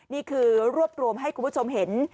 นี่คือรวบรวมให้คุณผู้ชมเห็น